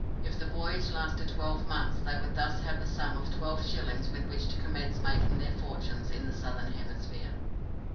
If the voyage lasted twelve months they would thus have the sum of twelve shillings with which to commence making their fortunes in the Southern Hemisphere.